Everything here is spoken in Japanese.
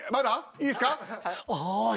いいですか？